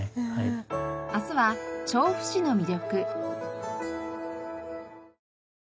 明日は調布市の魅力。